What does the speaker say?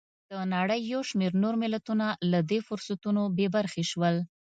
د نړۍ یو شمېر نور ملتونه له دې فرصتونو بې برخې شول.